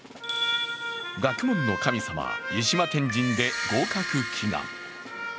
学問の神様・湯島天神で合格祈願。